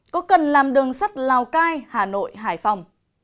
có cần làm đường sắt lào cai hà nội hải phòng